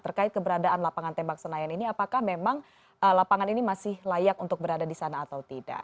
terkait keberadaan lapangan tembak senayan ini apakah memang lapangan ini masih layak untuk berada di sana atau tidak